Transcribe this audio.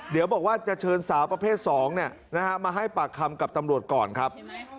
เดี๋ยวบอกว่าจะเชิญสาวประเภท๒มาให้ปากคำกับตำรวจก่อนครับ